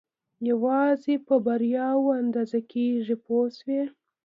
یوازې په بریاوو اندازه کېږي پوه شوې!.